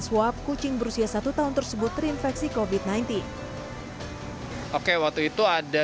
swab kucing berusia satu tahun tersebut terinfeksi covid sembilan belas oke waktu itu ada